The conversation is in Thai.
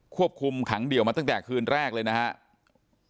ควบคุมขังเดี่ยวมาตั้งแต่คืนแรกเลยนะครับ